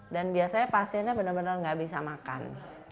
dan biasanya pasiennya benar benar tidak bisa makan